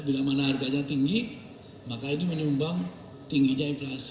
bila mana harganya tinggi maka ini menyumbang tingginya inflasi